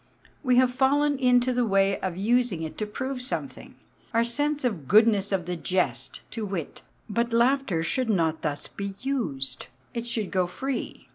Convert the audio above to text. We have fallen into the way of using it to prove something our sense of the goodness of the jest, to wit; but laughter should not thus be used, it should go free.